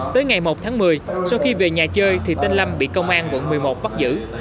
tới ngày một tháng một mươi sau khi về nhà chơi thì tên lâm bị công an quận một mươi một bắt giữ